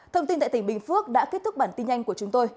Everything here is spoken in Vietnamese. thông tin tại tỉnh bình phước đã kết thúc bản tin nhanh của chúng tôi